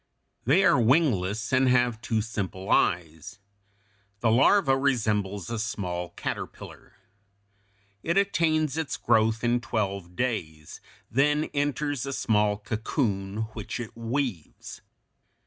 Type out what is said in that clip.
They are wingless, and have two simple eyes. The larva resembles a small caterpillar. It attains its growth in twelve days, then enters a small cocoon, which it weaves.